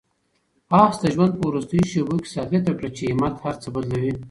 آس د ژوند په وروستیو شېبو کې ثابته کړه چې همت هر څه بدلوي.